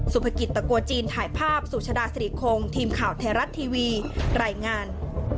สุภกิจตะโกจีนถ่ายภาพสุชดาสิริคงทีมข่าวไทยรัฐทีวีรายงาน